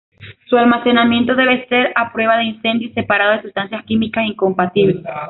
Su almacenamiento debe ser a prueba de incendio y separado de sustancias químicas incompatibles.